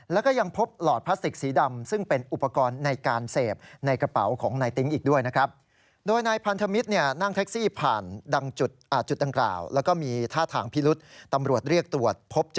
แล้วก็ยังพบหลอดพลาสติกสีดำซึ่งเป็นอุปกรณ์ในการเสพในกระเป๋าของนายติ๊งอีกด้วยนะครับ